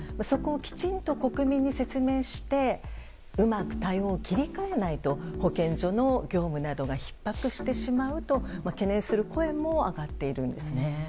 そこをきちんと国民に説明してうまく対応を切り替えないと保健所の業務などがひっ迫してしまうと懸念する声も上がっているんですね。